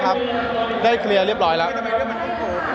ครับได้เคลียร์เรียบร้อยแล้ว